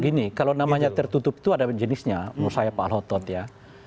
gini kalau namanya tertutup itu ada jenisnya menurut saya pak al hotot ya